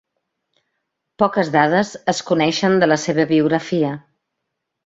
Poques dades es coneixen de la seva biografia.